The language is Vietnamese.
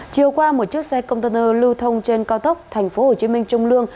chiều qua một chiếc xe container lưu thông trên cao tốc tp hcm trung lương